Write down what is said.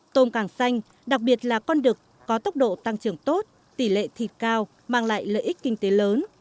tôm càng xanh đặc biệt là con đực có tốc độ tăng trưởng tốt tỷ lệ thịt cao mang lại lợi ích kinh tế lớn